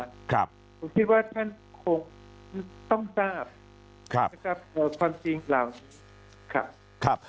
ผมคิดว่าท่านคงต้องทราบความจริงของเรา